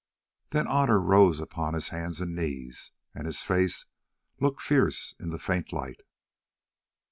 Then Otter rose upon his hands and knees, and his face looked fierce in the faint light.